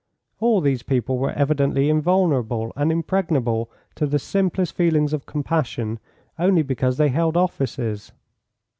All these people were evidently invulnerable and impregnable to the simplest feelings of compassion only because they held offices.